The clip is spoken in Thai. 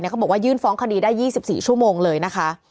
เขาบอกว่ายื่นฟ้องคดีได้๒๔ชั่วโมงเลยนะคะ